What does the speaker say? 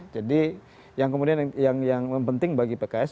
jadi yang kemudian yang penting bagi pks